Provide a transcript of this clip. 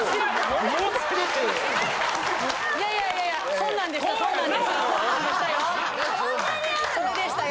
そんなんでしたよ。